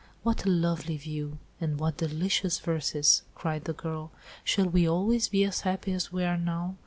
"What a lovely view! and what delicious verses," cried the girl. "Shall we always be as happy as we are now?